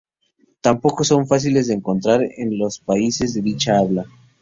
Tampoco son fáciles de encontrar en los países de dicha habla.